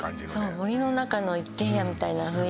森の中の一軒家みたいな雰囲気なんですよね